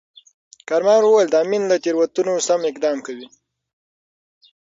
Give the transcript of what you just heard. کارمل وویل، د امین له تیروتنو سم اقدام کوي.